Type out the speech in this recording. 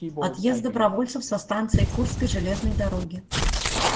Отъезд добровольцев со станции Курской железной дороги.